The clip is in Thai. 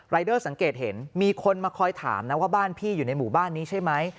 เดอร์สังเกตเห็นมีคนมาคอยถามนะว่าบ้านพี่อยู่ในหมู่บ้านนี้ใช่ไหม